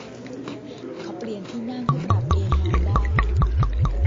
เขาเปลี่ยนที่นั่งให้ปรับเอนนอนได้